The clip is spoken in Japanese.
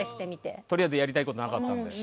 とりあえずやりたいことがなかったので。